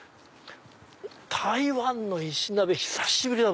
台湾の石鍋久しぶりだ！